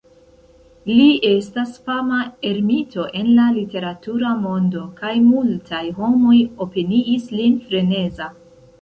Li estas fama ermito en la literatura mondo, kaj multaj homoj opiniis lin freneza.